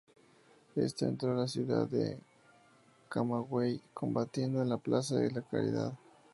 Entró en la ciudad de Camagüey, combatiendo en la Plaza de la Caridad.